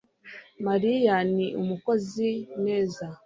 mariya ni umukozi. neza